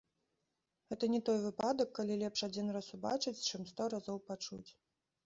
Гэта не той выпадак, калі лепш адзін раз убачыць, чым сто разоў пачуць.